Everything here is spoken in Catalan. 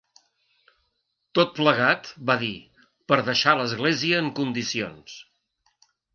Tot plegat, va dir, «per deixar l’església en condicions».